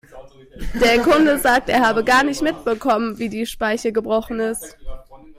Der Kunde sagt, er habe gar nicht mitbekommen, wie die Speiche gebrochen ist.